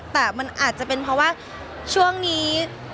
แต่มันอาจจะเป็นเพราะว่าช่วงนี้